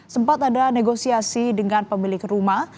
sempat ada negosiasi dengan pemilik rumah